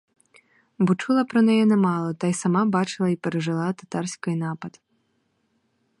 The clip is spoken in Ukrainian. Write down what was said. Бо чула про неї немало та й сама бачила й пережила татарський напад.